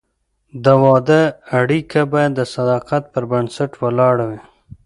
د واده اړیکه باید د صداقت پر بنسټ ولاړه وي.